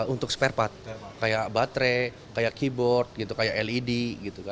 untuk spare part kayak baterai kayak keyboard gitu kayak led gitu kan